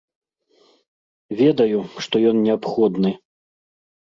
Ведаю, што ён неабходны.